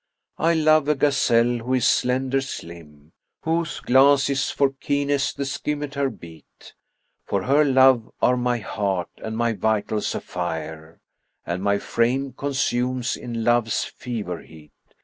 I love a gazelle who is slender slim, * Whose glances for keenness the scymitar beat: For her love are my heart and my vitals a fire, * And my frame consumes in love's fever heat.